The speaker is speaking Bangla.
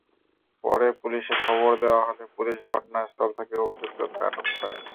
পরে পুলিশে খবর দেওয়া হলে পুলিশ ঘটনাস্থল থেকে অভিযুক্তদের আটক করে।